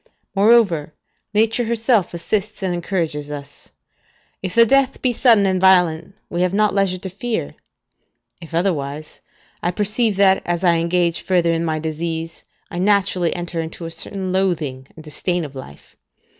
Moreover, Nature herself assists and encourages us: if the death be sudden and violent, we have not leisure to fear; if otherwise, I perceive that as I engage further in my disease, I naturally enter into a certain loathing and disdain of life.